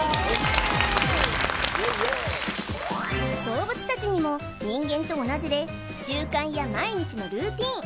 動物達にも人間と同じで習慣や毎日のルーティーン